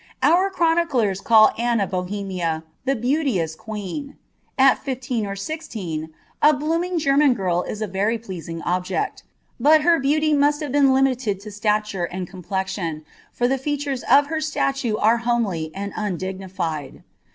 Our chroniclers call Anne of BohmiL « the beauteous queen." At fifteen or sixteen, a blooming Oenmui pH is a very pleasing object ; but her beauty must have been limited to stature and complexion, for the features of her staiire are homely tod ondigniSed.